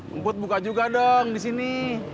emput buka juga dong di sini